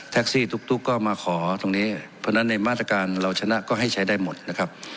ซี่ตุ๊กก็มาขอตรงนี้เพราะฉะนั้นในมาตรการเราชนะก็ให้ใช้ได้หมดนะครับ